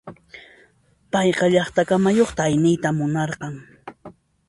Payqa llaqta kamayuqta ayniyta munarqan.